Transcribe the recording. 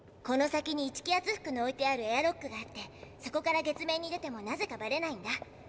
この先に一気圧服の置いてあるエアロックがあってそこから月面に出てもなぜかばれないんだ。